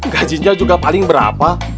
gajinya juga paling berapa